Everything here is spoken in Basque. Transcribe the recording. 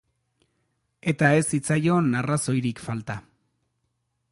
Eta ez zitzaion arrazoirik falta.